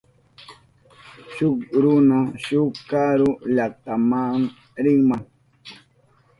Shuk runa shuk karu llaktama rinma.